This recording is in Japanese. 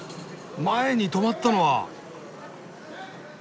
前に止まったのは。